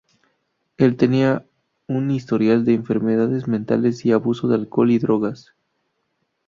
El tenía un historial de enfermedades mentales y abuso de alcohol y drogas.